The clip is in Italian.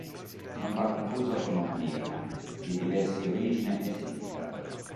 Non va confuso col nome Mirna, di diversi origine e significato.